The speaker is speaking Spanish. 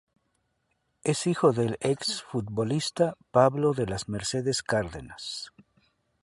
Es hijo del ex futbolista Pablo de las Mercedes Cárdenas.